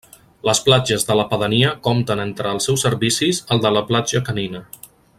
Les platges de la pedania compten entre els seus servicis, el de la Platja Canina.